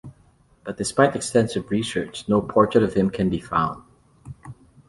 But despite extensive research no portrait of him can be found.